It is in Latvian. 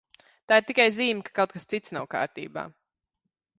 Tā ir tikai zīme, ka kaut kas cits nav kārtībā.